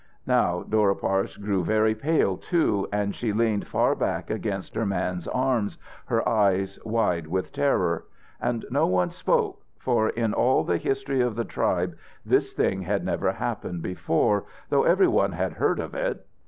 Now Dora Parse grew very pale, too, and she leaned far back against her man's arms, her eyes wide with terror. And no one spoke, for in all the history of the tribe this thing had never happened before, though every one had heard of it.